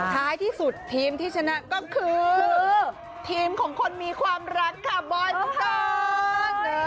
ท้ายที่สุดทีมที่ชนะก็คือทีมของคนมีความรักค่ะบอยค่ะ